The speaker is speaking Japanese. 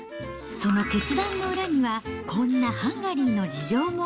その決断の裏には、こんなハンガリーの事情も。